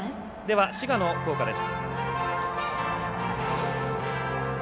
滋賀の校歌です。